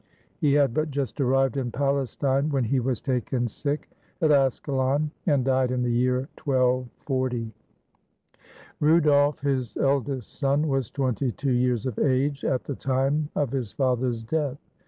He had but just arrived in Palestine, when he was taken sick at Askalon, and died in the year 1 240. Rudolf, his eldest son, was twenty two years of age at the time of his father's death.